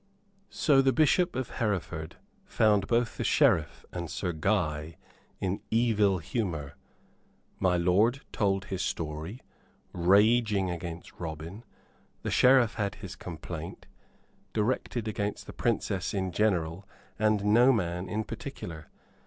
So the Bishop of Hereford found both the Sheriff and Sir Guy in evil humor. My lord told his story, raging against Robin; the Sheriff had his complaint directed against the Princess in general and no man in particular.